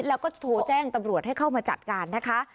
แล้วก็ทอแจ้งกับทราบบริษัท